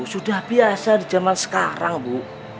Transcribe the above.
sudah biasa di zaman sekarang bu